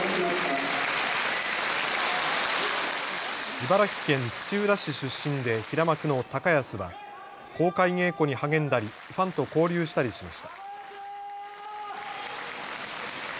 茨城県土浦市出身で平幕の高安は公開稽古に励んだりファンと交流したりしました。